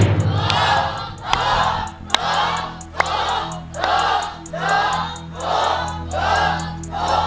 ถูก